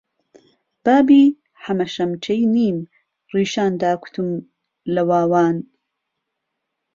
بابی حهمهشهمچهی نیم ریشان داکوتم له واوان